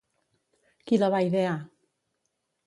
Qui la va idear?